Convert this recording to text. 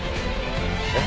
えっ？